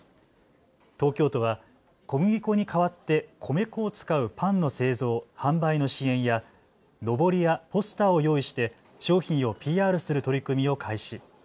東京都は小麦粉に代わって米粉を使うパンの製造・販売の支援や、のぼりやポスターを用意して商品をＰＲする取り組みを開始。